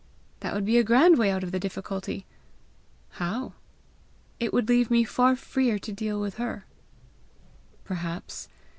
"That would be a grand way out of the difficulty!" "How?" "It would leave me far freer to deal with her." "Perhaps.